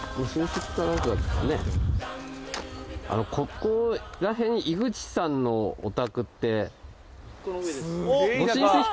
ここら辺に井口さんのお宅って。